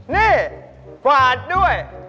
นี่กวาดด้วย